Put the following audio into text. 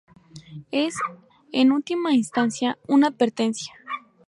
Es, en última instancia, una advertencia.